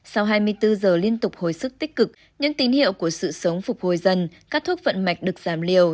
sau hai mươi bốn giờ liên tục hồi sức tích cực những tín hiệu của sự sống phục hồi dần các thuốc vận mạch được giảm liều